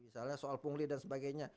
soal pungli dan sebagainya